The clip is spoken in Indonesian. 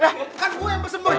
kan gue yang pesen boy